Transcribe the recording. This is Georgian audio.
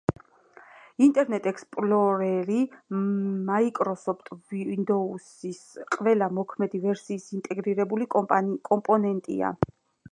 ინტერნეტ ექსპლორერი მაიკროსოფტ ვინდოუსის ყველა მოქმედი ვერსიის ინტეგრირებული კომპონენტია.